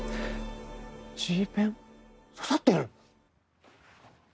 Ｇペン？刺さってる？